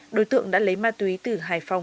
đối tượng đã lấy ma túy từ hải phòng